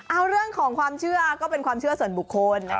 เอาเรื่องของความเชื่อก็เป็นความเชื่อส่วนบุคคล